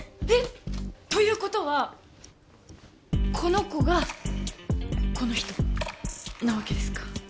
えっ！という事はこの子がこの人なわけですか。